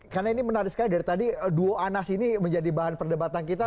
karena ini menarik sekali dari tadi duo anas ini menjadi bahan perdebatan kita